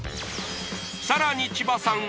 さらに千葉さん